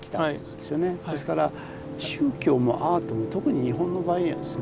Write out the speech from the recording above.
ですから宗教もアートも特に日本の場合にはですね